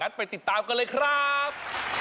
ไปติดตามกันเลยครับ